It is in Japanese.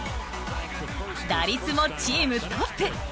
打率もチームトップ！